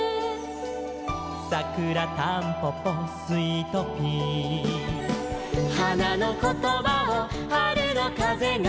「さくらたんぽぽスイトピー」「花のことばを春のかぜが」